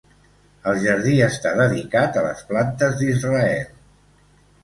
El jardí està dedicat a les plantes d'Israel.